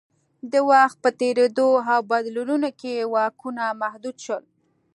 د وخت په تېرېدو او بدلونونو کې واکونه محدود شول